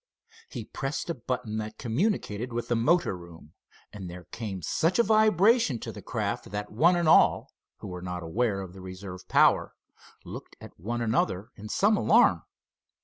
He pressed a button that communicated with the motor room, and there came such a vibration to the craft that one and all, who were not aware of the reserve power, looked at one another in some alarm.